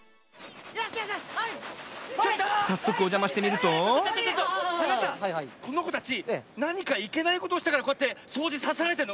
さっそくおじゃましてみるとこのこたちなにかいけないことをしたからこうやってそうじさせられてるの？